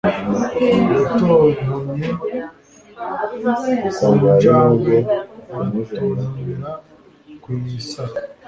yatontomye ku njangwe aratontomera ku isaro